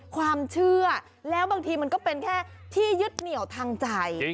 ความเชื่อแล้วบางทีมันก็เป็นแค่ที่ยึดเหนี่ยวทางใจ